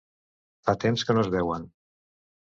Fa temps que no es veuen.